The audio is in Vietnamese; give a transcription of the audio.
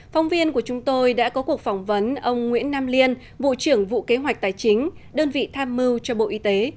phóng viên của chúng tôi đã có cuộc phỏng vấn ông nguyễn nam liên vụ trưởng vụ kế hoạch tài chính đơn vị tham mưu cho bộ y tế